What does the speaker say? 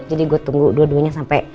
jadi gue tunggu dua duanya sampe